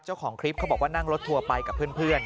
เจ้าของคลิปเขาบอกว่านั่งรถทัวร์ไปกับเพื่อน